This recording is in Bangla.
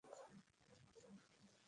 ইহার রস জারক রস, তাহা নিঃশব্দে জীর্ণ করে।